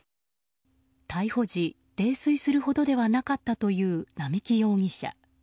逮捕時、泥酔するほどではなかったという並木容疑者。